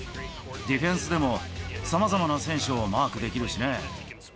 ディフェンスでも、さまざまな選手をマークできるしね。